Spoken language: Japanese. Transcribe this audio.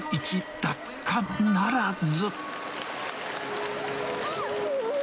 日本一奪還ならず。